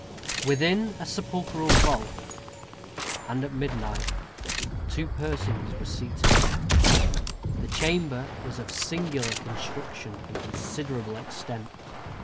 Within a sepulchral vault, and at midnight, two persons were seated. The chamber was of singular construction and considerable extent.